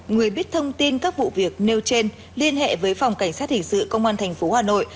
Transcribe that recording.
người biết thông tin các vụ việc nêu trên liên hệ với phòng cảnh sát hình sự công an tp hà nội